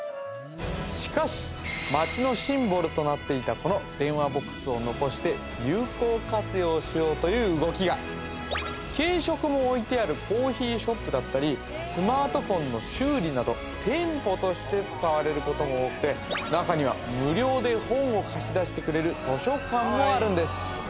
しかし街のシンボルとなっていたこの電話ボックスを残して有効活用しようという動きが軽食も置いてあるコーヒーショップだったりスマートフォンの修理など店舗として使われることも多くて中には無料で本を貸し出してくれる図書館もあるんです